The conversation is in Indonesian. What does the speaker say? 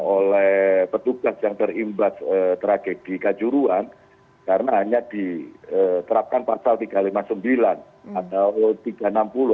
oleh petugas yang terimbas tragedi kajuruan karena hanya diterapkan pasal tiga ratus lima puluh sembilan atau tiga ratus enam puluh